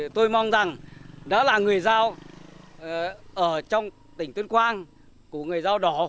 tôi mong rằng đã là người giao ở trong tỉnh tuyên quang của người dao đỏ